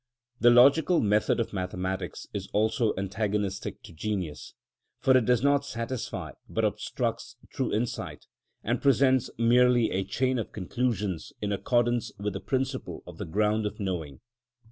The logical method of mathematics is also antagonistic to genius, for it does not satisfy but obstructs true insight, and presents merely a chain of conclusions in accordance with the principle of the ground of knowing.